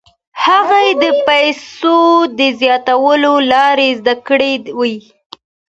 هغې د پیسو د زیاتولو لارې زده کړې وې.